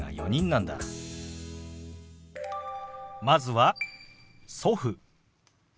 まずは「祖父」。